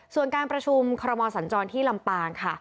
ส่วนการประชุมคอรมอสัญจรที่ลำปางค่ะ